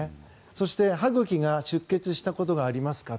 そして、歯茎が出血したことがありますか。